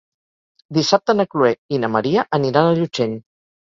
Dissabte na Chloé i na Maria aniran a Llutxent.